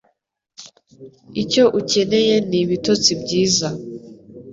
Icyo ukeneye ni ibitotsi byiza.